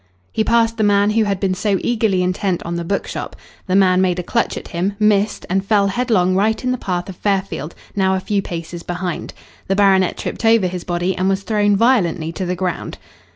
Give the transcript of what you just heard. He passed the man who had been so eagerly intent on the bookshop. The man made a clutch at him, missed and fell headlong right in the path of Fairfield, now a few paces behind. The baronet tripped over his body and was thrown violently to the ground.